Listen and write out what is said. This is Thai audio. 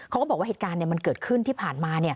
เขาบอกว่าเหตุการณ์มันเกิดขึ้นที่ผ่านมา